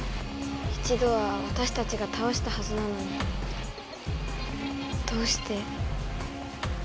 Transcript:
一度はわたしたちがたおしたはずなのにどうして。